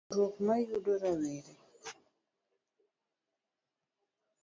Chandruok ma yudo rowere